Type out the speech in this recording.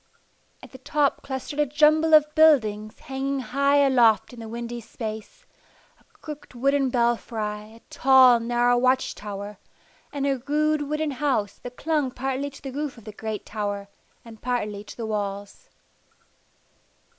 At the top clustered a jumble of buildings hanging high aloft in the windy space a crooked wooden belfry, a tall, narrow watch tower, and a rude wooden house that clung partly to the roof of the great tower and partly to the walls.